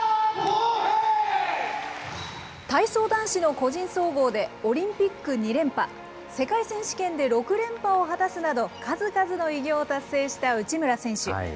体操男子の個人総合で、オリンピック２連覇、世界選手権で６連覇を果たすなど、数々の偉業を達成した内村選手。